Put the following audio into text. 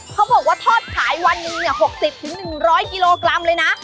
เขาบอกว่าทอดขายวันนี้๖๐๑๐๐กิโลกรัมเลยนะ